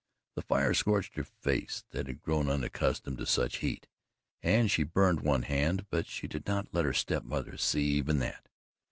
The fire scorched her face, that had grown unaccustomed to such heat, and she burned one hand, but she did not let her step mother see even that.